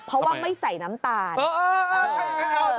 เพราะว่าไม่ใส่น้ำตาล